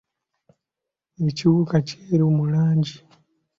Ekiwuka kyeru mu langi.